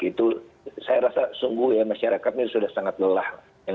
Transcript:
itu saya rasa sungguh ya masyarakatnya sudah sangat lelah